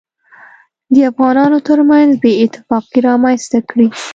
دافغانانوترمنځ بې اتفاقي رامنځته کړي